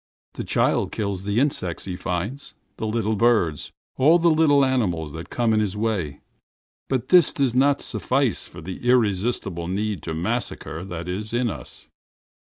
The child kills the insects he finds, the little birds, all the little animals that come in his way. But this does not suffice for the irresistible need to massacre that is in us.